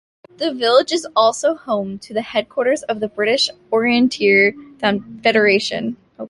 The village is also home to the headquarters of the British Orienteering Federation.